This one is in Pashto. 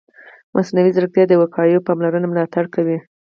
مصنوعي ځیرکتیا د وقایوي پاملرنې ملاتړ کوي.